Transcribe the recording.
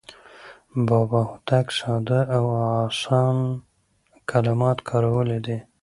بابا هوتک ساده او اسان کلمات کارولي دي.